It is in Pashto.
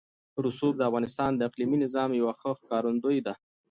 رسوب د افغانستان د اقلیمي نظام یوه ښه ښکارندوی ده.